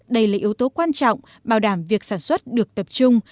đây là yếu tố quan trọng bảo đảm việc sản xuất được tập trung